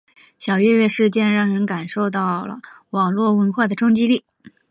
小月月事件让人感受到了网络文化的冲击力。